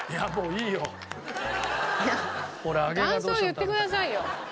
いや感想言ってくださいよ。